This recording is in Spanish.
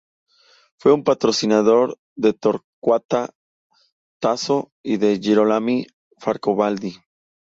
Fue un patrocinador de Torquato Tasso, y de Girolamo Frescobaldi.